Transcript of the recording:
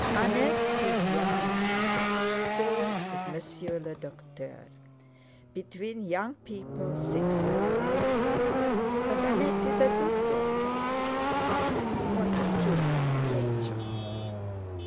"Annette is young," she said; "so is monsieur le docteur. Between young people things move quickly; but Annette is a good daughter. Ah! what a jewel of a nature!"